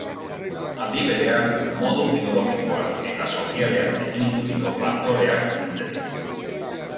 Aldi berean, modu biologikoan eta sozialean definituriko faktoreak biltzen ditu.